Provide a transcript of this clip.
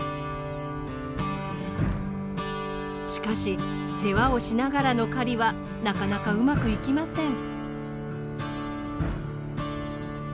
しかし世話をしながらの狩りはなかなかうまくいきません。